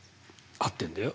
合ってるんだよ。